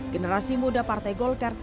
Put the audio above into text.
generasi muda partai golkar